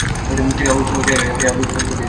তিনি আবু সুফিয়ানকে এড়িয়ে যান।